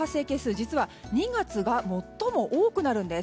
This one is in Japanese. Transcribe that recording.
実は２月が最も多くなるんです。